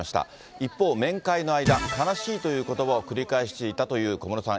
一方、面会の間、悲しいということばを繰り返していたという小室さん。